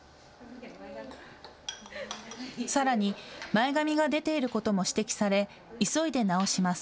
さらに、前髪が出ていることも指摘され急いで直します。